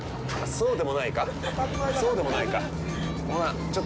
そうでもないか。